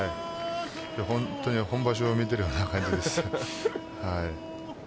本場所を見ているような感じです。